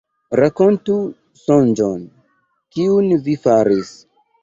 Rakontu sonĝon, kiun vi faris.